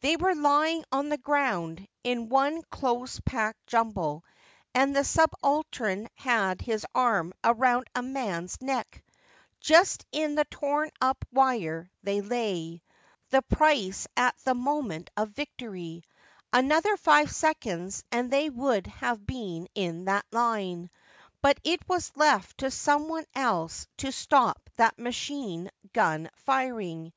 They were lying on the ground, in one close packed jumble, and the subaltern had his arm around a man's neck. Just in the torn up wire they lay — 172 THE AFTERMATH the price at the moment of victory. Another five seconds and they would have been in that line ; but it was left to some one else to stop that machine gun firing.